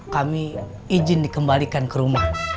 kami izin dikembalikan ke rumah